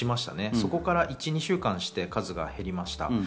そこから１２週間して数が減りました。